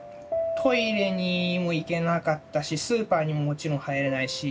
トイレにも行けなかったしスーパーにももちろん入れないし。